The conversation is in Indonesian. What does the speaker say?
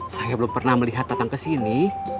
saya belum pernah melihat datang ke sini